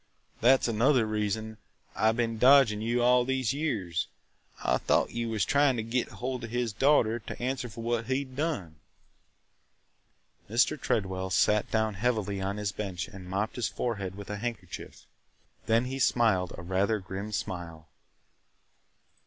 That 's another reason I been dodging you all these years. I thought you was trying to git holt of his daughter to answer for what he 'd done!" Mr. Tredwell sat down heavily on his bench and mopped his forehead with a handkerchief. Then he smiled a rather grim smile.